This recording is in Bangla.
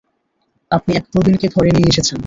আপনি এক প্রবীণকে ধরে নিয়ে এসেছেন।